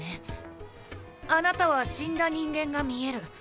あなたは死んだ人間が見える。